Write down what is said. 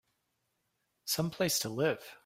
Some place to live!